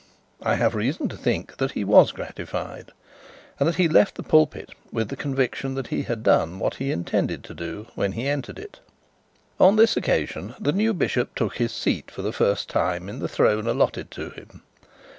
I have reason to think that he was gratified, and that he left the pulpit with the conviction that he had done what he intended to do when he entered it. On this occasion the new bishop took his seat for the first time in the throne allotted to him.